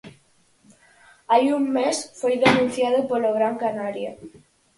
Hai un mes foi denunciado polo Gran Canaria.